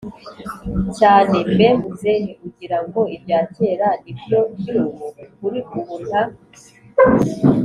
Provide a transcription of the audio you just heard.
cyane. “Mbe muzehe, ugira ngo ibya kera ni byo by’ubu? Kuri ubu nta